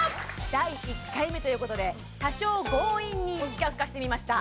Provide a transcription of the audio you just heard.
第１回目ということで多少強引に企画化してみました